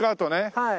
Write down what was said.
はい。